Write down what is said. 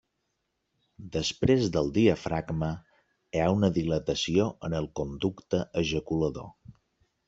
Després del diafragma hi ha una dilatació en el conducte ejaculador.